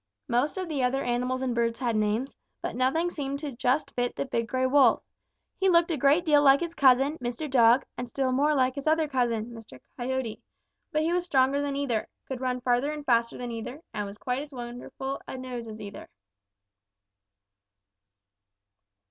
Most of the other animals and birds had names, but nothing seemed to just fit the big gray Wolf. He looked a great deal like his cousin, Mr. Dog, and still more like his other cousin, Mr. Coyote. But he was stronger than either, could run farther and faster than either, and had quite as wonderful a nose as either.